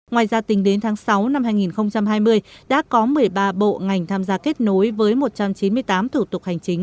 ngoài gia tình đến tháng sáu năm hai nghìn hai mươi đã có một mươi ba bộ ngành tham gia kết nối với nghị định ba bảy hai nghìn một mươi bốn ndcp sửa đổi